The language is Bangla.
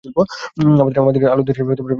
আমাদের আলোর দিশারি দীর্ঘজীবী হোক।